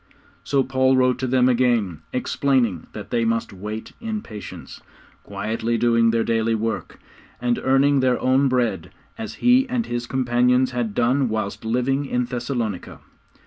So Paul wrote to them again, explaining that they must wait in patience, quietly doing their daily work, and earning their own bread, as he and his companions had done whilst living in Thessalonica.